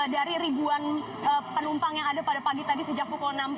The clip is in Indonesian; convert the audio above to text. dari ribuan penumpang yang ada pada pagi tadi sejak pukul enam belas